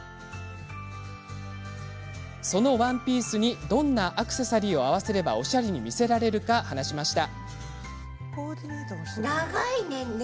そのワンピースにどんなアクセサリーを合わせればおしゃれに見せられるか話しました。